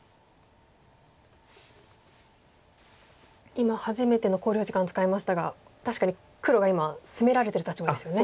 今初めての考慮時間使いましたが確かに黒が今攻められてる立場ですよね。